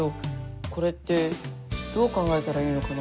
これってどう考えたらいいのかな？